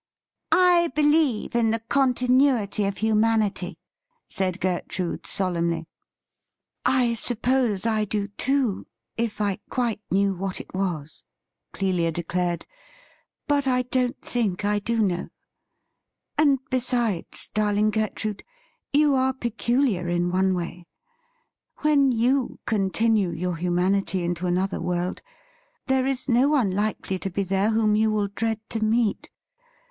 ' I believe in the continuity of humanity,' said Geiirude solemnly. JIM IS AN UNWELCOME MESSENGER 203 ' I suppose I do, too, if I quite knew what it was,' Clelia declared ;' but I don't think I do know. And, besides, darling Gertrude, you are peculiar in one way. When you continue your humanity into another world, there is no One likely to be there whom you will dread to meet.